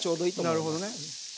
なるほどね。